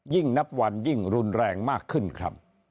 นับวันยิ่งรุนแรงมากขึ้นครับ